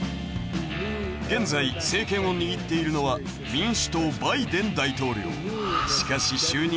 現在政権を握っているのは民主党バイデン大統領。